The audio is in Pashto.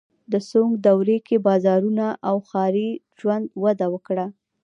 د سونګ دورې کې بازارونه او ښاري ژوند وده وکړه.